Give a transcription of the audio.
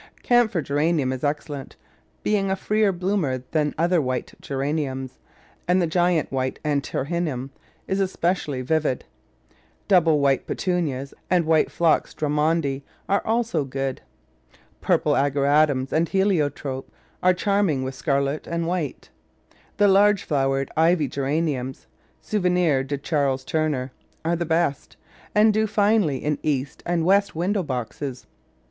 Camphor Geranium is excellent, being a freer bloom er than other white Geraniums, and the Giant White Antirrhinum is especially vivid. Double white Pe tunias and white Phlox Drummondi are also good. Purple Ageratums and Heliotrope are charming with scarlet and white. The large flowered Ivy Geraniums — Souvenir de Charles Turner — are the best, and do finely in east and west window boxes